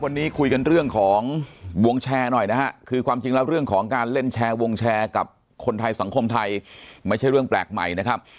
วันนี้คุยกันเรื่องของวงแชร์หน่อยนะฮะคือความจริงแล้วเรื่องของการเล่นแชร์วงแชร์กับคนไทยสังคมไทยไม่ใช่เรื่องแปลกใหม่นะครับ